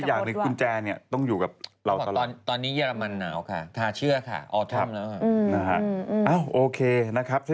เพราะเกิดมันล็อกอะไรขึ้นมาเพราะนี่เขาไม่ได้เอากุญแจออกไปจากกดด้วย